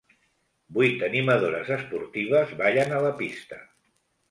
Vuit animadores esportives ballen a la pista.